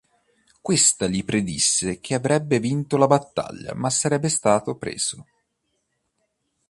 Questa gli predisse che "avrebbe vinto la battaglia ma sarebbe stato preso".